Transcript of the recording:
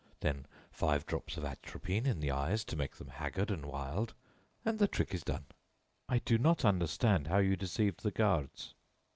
Then five drops of atropine in the eyes to make them haggard and wild, and the trick is done." "I do not understand how you deceived the guards."